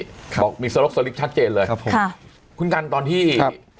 บอกมีสลบสลิบชัดเจนเลยคุณกันตอนที่ครับ